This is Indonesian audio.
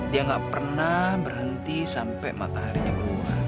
dia gak pernah berhenti sampai mataharinya keluar